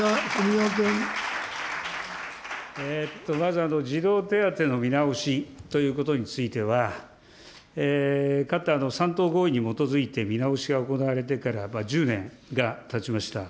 まず、児童手当の見直しということについては、かつて３党合意に基づいて見直しが行われてから１０年がたちました。